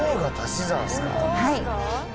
はい。